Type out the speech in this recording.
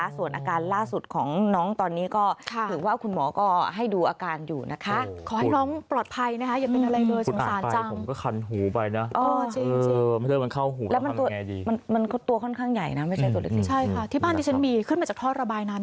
ใช่ค่ะที่บ้านที่ฉันมีขึ้นมาจากทอดระบายน้ำนี่แหละขนาดอยู่ชั้น๒นะ